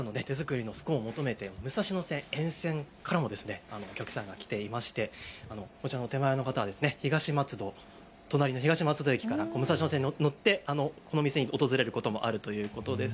星さんの手作りのスコーンを求めて武蔵野線沿線からもお客さんが来ていてこちらの手前の方は東松戸隣の東松戸駅から武蔵野線に乗ってこの店に訪れることもあるということです。